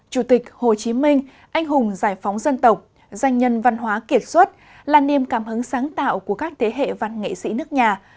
chủ tịch hồ chí minh anh hùng giải phóng dân tộc danh nhân văn hóa kiệt xuất là niềm cảm hứng sáng tạo của các thế hệ văn nghệ sĩ nước nhà